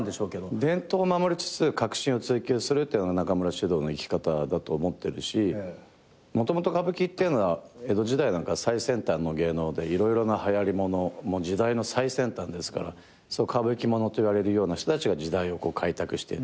伝統を守りつつ革新を追求するっていうのが中村獅童の生き方だと思ってるしもともと歌舞伎っていうのは江戸時代なんか最先端の芸能で色々なはやりもの時代の最先端ですから歌舞伎者といわれるような人たちが時代をこう開拓して。